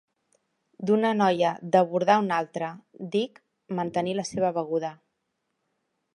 D'una noia d'abordar un altre, dic mantenir a la seva beguda!